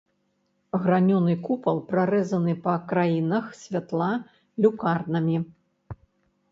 Гранёны купал прарэзаны па краінах святла люкарнамі.